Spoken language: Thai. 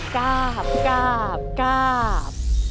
กราบกราบกราบ